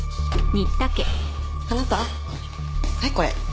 あなたはいこれ。